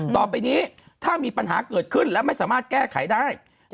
ต่อไปนี้ถ้ามีปัญหาเกิดขึ้นและไม่สามารถแก้ไขได้